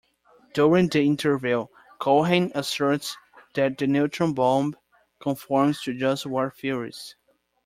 During the interview, Cohen asserts that the neutron bomb conforms to just war theories.